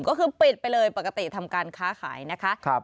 ก็คือปิดไปเลยปกติทำการค้าขายนะคะ